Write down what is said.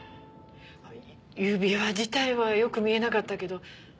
指輪自体はよく見えなかったけど。